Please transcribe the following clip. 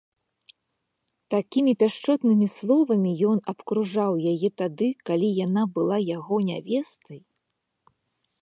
Такімі пяшчотнымі словамі ён абкружаў яе тады, калі яна была яго нявестай.